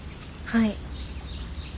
はい。